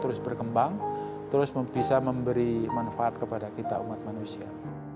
terus berkembang terus bisa memberi manfaat kepada kita umat manusia